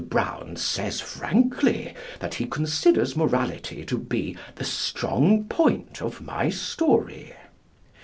Brown says frankly that he considers morality to be the "strong point" of my story.